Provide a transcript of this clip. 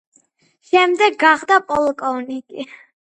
შემდეგ გახდა პოლკოვნიკი.